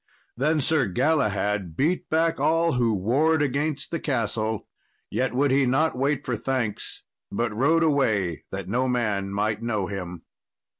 Then Sir Galahad beat back all who warred against the castle, yet would he not wait for thanks, but rode away that no man might know him.